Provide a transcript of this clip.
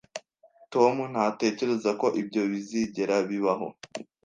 Tom ntatekereza ko ibyo bizigera bibaho